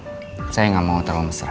fotonya ga mau terlalu mesra